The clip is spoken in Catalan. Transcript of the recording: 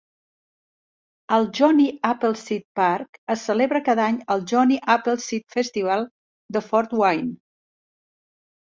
Al Johnny Appleseed Park es celebra cada any el Johnny Appleseed Festival de Fort Wayne.